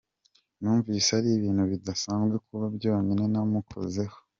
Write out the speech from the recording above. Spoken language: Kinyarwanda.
Numvise ari ibintu bidasanzwe kuba byonyine namukozeho.